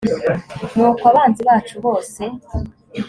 nuko abanzi bacu bose